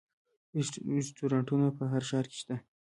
رستورانتونه په هر ښار کې شته